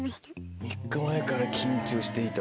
３日前から緊張していた。